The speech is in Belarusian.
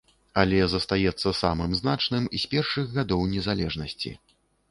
Але застаецца самым значным з першых гадоў незалежнасці.